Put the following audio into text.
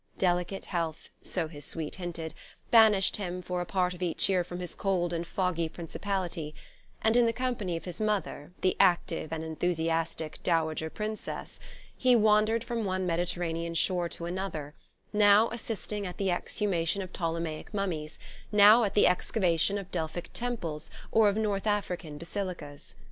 Delicate health (so his suite hinted) banished him for a part of each year from his cold and foggy principality; and in the company of his mother, the active and enthusiastic Dowager Princess, he wandered from one Mediterranean shore to another, now assisting at the exhumation of Ptolemaic mummies, now at the excavation of Delphic temples or of North African basilicas.